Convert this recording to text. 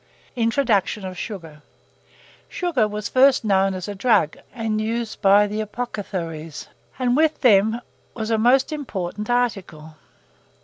INTRODUCTION OF SUGAR. Sugar was first known as a drug, and used by the apothecaries, and with them was a most important article.